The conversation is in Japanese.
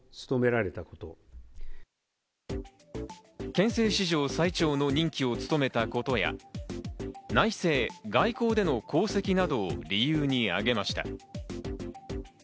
憲政史上最長の任期を務めたことや、内政、外交での功績などを理由に挙げました。